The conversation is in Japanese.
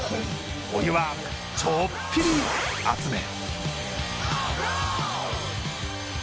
お湯はちょっぴり熱め。